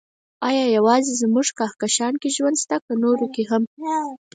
ايا يوازې زموږ کهکشان کې ژوند شته، که نورو کې هم؟